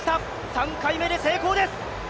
３回目で成功です。